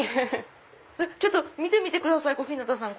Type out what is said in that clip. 見てみてください小日向さん。